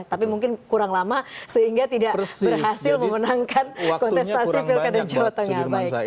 tapi mungkin kurang lama sehingga tidak berhasil memenangkan kontestasi pilkada jawa tengah